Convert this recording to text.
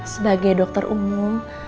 sebagai dokter umum